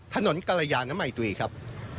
ถนนกรยานไมตุียครับ